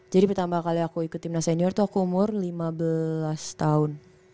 jadi pertama kali aku ikut timnas senior tuh aku umur lima belas tahun